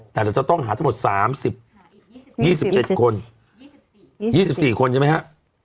แต่เราจะต้องหาทั้งหมดสามสิบยี่สิบเจ็ดคนยี่สิบสี่ยี่สิบสี่คนใช่ไหมฮะ